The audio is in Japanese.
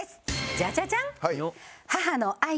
ジャジャジャン。